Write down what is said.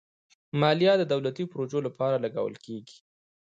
مالیه د دولتي پروژو لپاره لګول کېږي.